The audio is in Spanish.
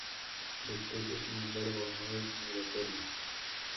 La especie, sin embargo, no es migratoria.